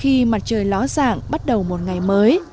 khi mặt trời ló dạng bắt đầu một ngày mới